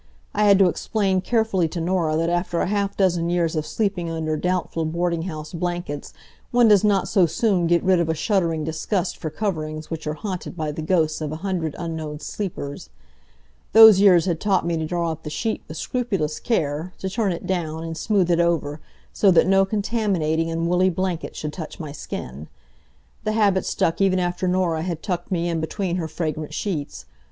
I had to explain carefully to Norah that after a half dozen years of sleeping under doubtful boarding house blankets one does not so soon get rid of a shuddering disgust for coverings which are haunted by the ghosts of a hundred unknown sleepers. Those years had taught me to draw up the sheet with scrupulous care, to turn it down, and smooth it over, so that no contaminating and woolly blanket should touch my skin. The habit stuck even after Norah had tucked me in between her fragrant sheets.